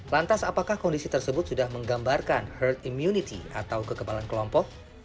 lantas apakah kondisi tersebut sudah menggambarkan herd immunity atau kekebalan kelompok